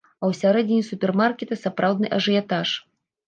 А ўсярэдзіне супермаркета сапраўдны ажыятаж.